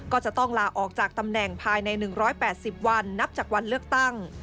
ก็จะต้องลาออกจากตำแหน่งภายใน๑๘๐วันนับจากวันเลือกตั้ง